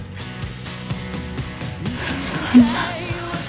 そんな。